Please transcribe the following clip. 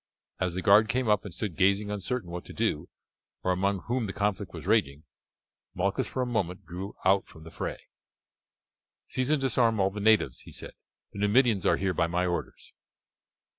As the guard came up and stood gazing uncertain what to do, or among whom the conflict was raging, Malchus for a moment drew out from the fray. "Seize and disarm all the natives," he said; "the Numidians are here by my orders."